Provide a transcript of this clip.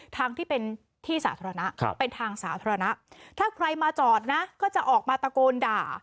ทางที่เป็นที่สาธารณะเป็นทางสาธารณะถ้าใครมาจอดนะก็จะออกมาตะโกนด่า